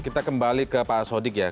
kita kembali ke pak sodik ya